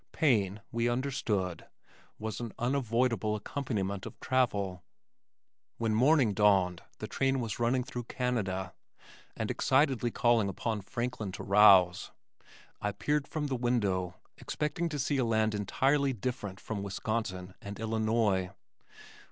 Pain, we understood, was an unavoidable accompaniment of travel. When morning dawned the train was running through Canada, and excitedly calling upon Franklin to rouse, I peered from the window, expecting to see a land entirely different from Wisconsin and Illinois.